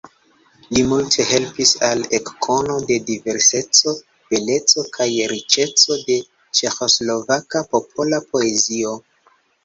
Li multe helpis al ekkono de diverseco, beleco kaj riĉeco de ĉeĥoslovaka popola poezio.